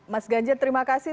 mas ganjar terima kasih